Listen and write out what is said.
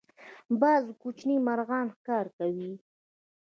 باز کوچني مرغان ښکار کوي